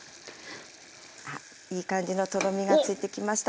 あっいい感じのとろみがついてきました。